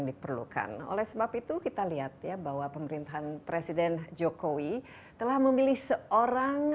diperlukan oleh sebab itu kita lihat ya bahwa pemerintahan presiden jokowi telah memilih seorang